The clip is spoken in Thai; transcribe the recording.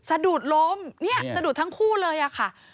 สะดุดล้มเนี่ยสะดุดทั้งคู่เลยอะค่ะ